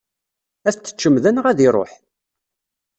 Ad t-teččem da neɣ ad iṛuḥ?